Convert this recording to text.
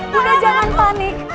bunda jangan panik